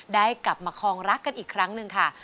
ได้กลับมาคองรักกันอีกครั้งหนึ่งค่ะ